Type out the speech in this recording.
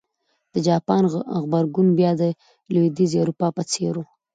د جاپان غبرګون بیا د لوېدیځې اروپا په څېر و.